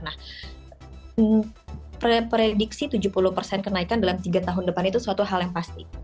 nah prediksi tujuh puluh persen kenaikan dalam tiga tahun depan itu suatu hal yang pasti